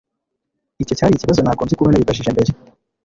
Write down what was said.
Icyo cyari ikibazo nagombye kuba naribajije mbere.